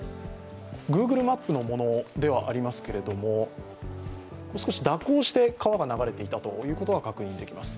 グーグルマップのものではありますが少し蛇行して川が流れていたことが確認できます。